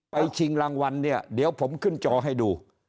ชิงรางวัลเนี่ยเดี๋ยวผมขึ้นจอให้ดู